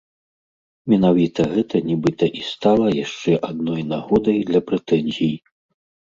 Менавіта гэта нібыта і стала яшчэ адной нагодай для прэтэнзій.